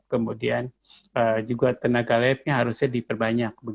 kemudian juga tenaga labnya harusnya diperbanyak